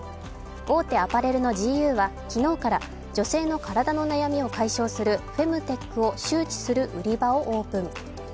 大手アパレルのＧＵは昨日から女性の体の悩みを解消するフェムテックを周知する売り場をオープン。